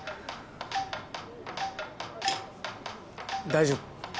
・大丈夫。